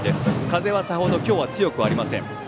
風はさほど今日は強くありません。